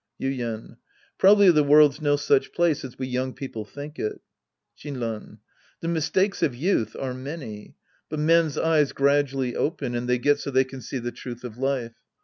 Yuien. Probably the world's no such place as we young people think it. Shinran. The mistakes of youth are many. But men's eyes gradually open and they get so they can see the truth of life.